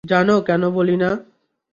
জানো কেন বলি না?